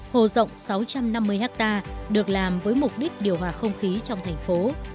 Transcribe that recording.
hồ rộng sáu trăm năm mươi hectare được làm với mục đích điều hòa không khí trong thành phố